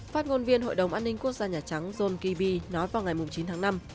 phát ngôn viên hội đồng an ninh quốc gia nhà trắng john kiby nói vào ngày chín tháng năm